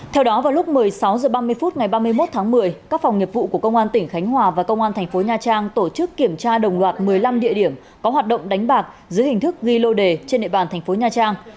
theo đó vào lúc một mươi sáu h ba mươi phút ngày ba mươi một tháng một mươi các phòng nghiệp vụ của công an tỉnh khánh hòa và công an thành phố nha trang tổ chức kiểm tra đồng loạt một mươi năm địa điểm có hoạt động đánh bạc dưới hình thức ghi lô đề trên địa bàn thành phố nha trang